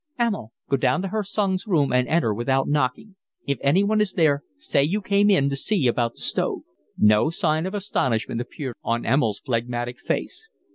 "Emil, go down to Herr Sung's room and enter without knocking. If anyone is there say you came in to see about the stove." No sign of astonishment appeared on Emil's phlegmatic face.